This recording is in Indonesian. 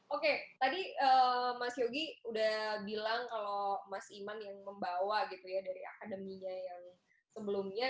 oke tadi mas yogi udah bilang kalau mas iman yang membawa gitu ya dari akademinya yang sebelumnya